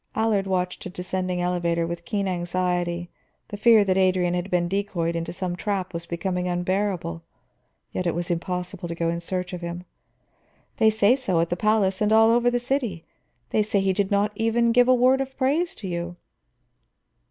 Allard watched a descending elevator with keen anxiety; the fear that Adrian had been decoyed into some trap was becoming unbearable, yet it was impossible to go in search of him. "They say so at the palace, and all over the city. They say he did not even give a word of praise to you."